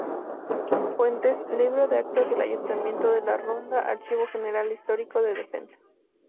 Fuentes: Libro de actas del Ayuntamiento de La Roda, Archivo General Histórico de Defensa.